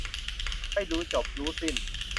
ไม่รู้จบรู้สิ้น